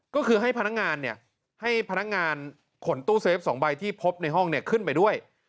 ก็คือให้พนักงานเนี่ยให้พนักงานขนตู้เซฟ๒ใบที่พบในห้องขึ้นไปด้วย